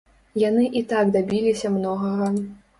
Яны і так дабіліся многага.